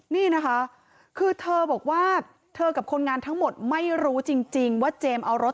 นี่นะคะคือเธอบอกว่าเธอกับคนงานทั้งหมดไม่รู้จริงว่าเจมส์เอารถ